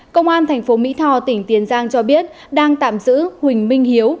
công an thành phố mỹ tho tỉnh tiền giang cho biết đang tạm giữ huỳnh minh hiếu